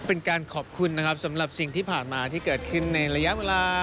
เป็นการขอบคุณนะครับสำหรับสิ่งที่ผ่านมาที่เกิดขึ้นในระยะเวลา